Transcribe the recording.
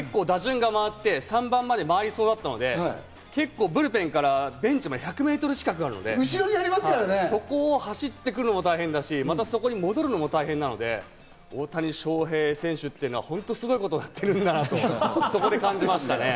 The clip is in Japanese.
結構打順が回って、３番まで回りそうだったので、ブルペンからベンチまで１００メートルぐらいあるので、そこを走ってくるのも大変だし、そこに戻るのも大変なので、大谷翔平選手っていうのは本当にすごいことをやってるんだなと、そこで感じましたね。